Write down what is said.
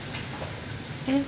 えっ？